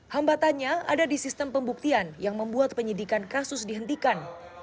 hambatannya ada di sistem pembuktian yang membuat penyidikan kasus dihentikan